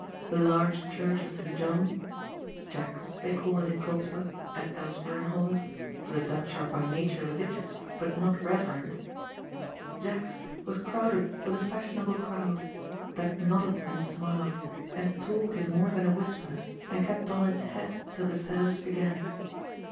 The large Church of St John —" Jack's," they call it in Koopstad, as elsewhere in Holland, for the Dutch are by nature religious, but not reverent —^* Jack's " was crowded with a fashionable crowd, that nodded and smiled, and talked in more than a whisper and kept on its hat till the sernce began.